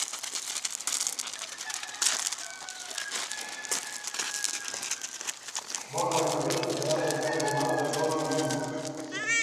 Morton recogió centenares de cráneos humanos de todo el mundo.